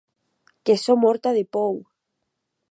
Que sò mòrta de pòur!